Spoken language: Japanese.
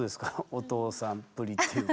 お父さんっぷりっていうか。